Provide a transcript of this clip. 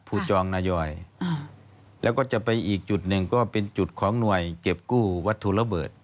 จองนายอยแล้วก็จะไปอีกจุดหนึ่งก็เป็นจุดของหน่วยเก็บกู้วัตถุระเบิด